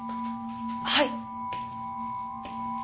はい。